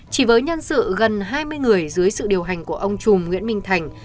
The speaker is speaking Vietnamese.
chỉ với nhân sự gần hai mươi người dưới sự điều hành của ông chùm nguyễn minh thành